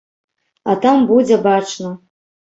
А там будзе бачна.